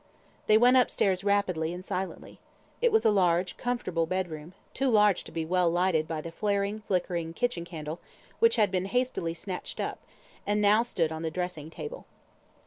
They went up stairs rapidly and silently. It was a large, comfortable bedroom; too large to be well lighted by the flaring, flickering kitchen candle which had been hastily snatched up, and now stood on the dressing table.